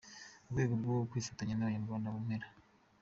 Mu rwego rwo kwifatanya n'abanyarwanda mu mpera